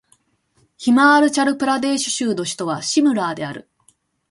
ヒマーチャル・プラデーシュ州の州都はシムラーである